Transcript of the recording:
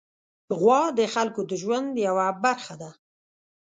غوا د خلکو د ژوند یوه برخه ده.